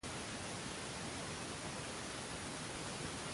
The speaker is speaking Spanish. Y no osaron más preguntarle algo.